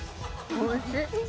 おいしい！